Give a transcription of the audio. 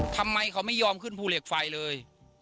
ทำไมเขาไม่ยอมขึ้นภูเหล็กไฟเลย